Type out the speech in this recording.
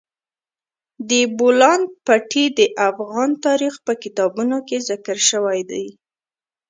د بولان پټي د افغان تاریخ په کتابونو کې ذکر شوی دي.